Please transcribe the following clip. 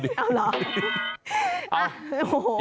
เอาเหรอ